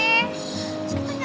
iya aku gak tau